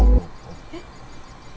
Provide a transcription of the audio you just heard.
えっ？